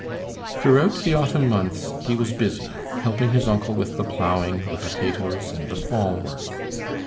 Throughout the autumn months he was busy helping his uncle with the plowing, the potatoes, and the fall work.